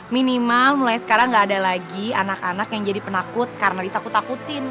minimal mulai sekarang nggak ada lagi anak anak yang jadi penakut karena ditakut takutin